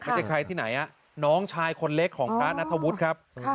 ไม่ใช่ใครที่ไหนน้องชายคนเล็กของพระนัทวุฒิครับ